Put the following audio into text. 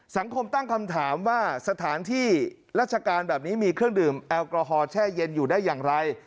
สังคมตั้งคำถามว่าสถานที่ราชการแบบนี้มีเครื่องดื่มแอลกอฮอลแช่เย็นอยู่ได้อย่างไร